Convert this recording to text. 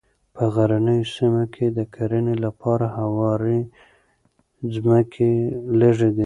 په غرنیو سیمو کې د کرنې لپاره هوارې مځکې لږې دي.